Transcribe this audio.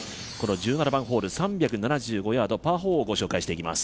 １７番ホール、３７５ヤード、パー４を紹介していきます。